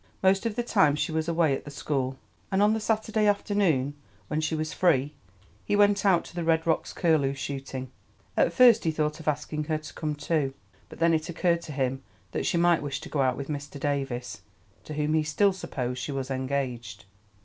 Most of the time she was away at the school, and on the Saturday afternoon, when she was free, he went out to the Red Rocks curlew shooting. At first he thought of asking her to come too, but then it occurred to him that she might wish to go out with Mr. Davies, to whom he still supposed she was engaged.